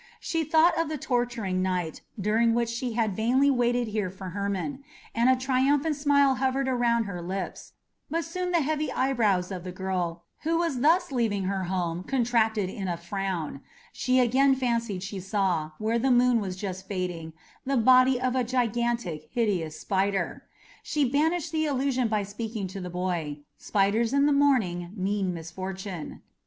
She thought of the torturing night, during which she had vainly waited here for Hermon, and a triumphant smile hovered around her lips; but soon the heavy eyebrows of the girl who was thus leaving her home contracted in a frown she again fancied she saw, where the moon was just fading, the body of a gigantic, hideous spider. She banished the illusion by speaking to the boy spiders in the morning mean misfortune.